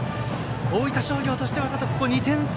大分商業としては、２点差。